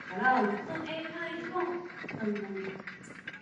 Авыл хуҗалыгына яңа ысуллар кертелә.